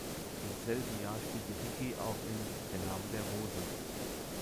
Im selben Jahr spielte Hickey auch in "Der Name der Rose".